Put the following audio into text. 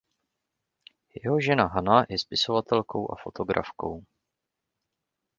Jeho žena Hana je spisovatelkou a fotografkou.